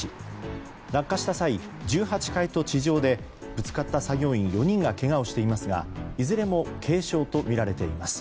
落下した際、１８階と地上でぶつかった作業員４人がけがをしていますがいずれも軽傷とみられています。